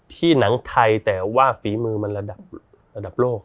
ที่หนังไทยแต่ว่าฝีมือมันระดับโลก